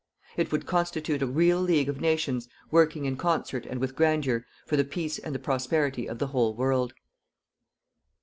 It would constitute a real league of nations working in concert and with grandeur for the peace and the prosperity of the whole world.